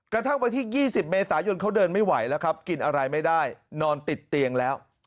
กระทั่งวันที่๒๐เมษายนเขาเดินไม่ไหวแล้วครับกินอะไรไม่ได้นอนติดเตียงแล้ว